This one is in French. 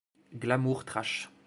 Glamour trash.